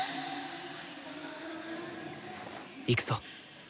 行くぞ。